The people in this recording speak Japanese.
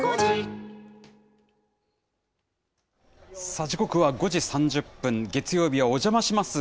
さあ、時刻は５時３０分、月曜日はおじゃまします！